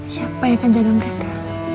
siapa yang akan jaga mereka